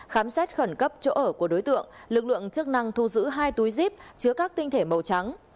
khám xét khẩn cấp chỗ ở của đối tượng lực lượng chức năng thu giữ hai túi zip chứa các tinh thể màu trắng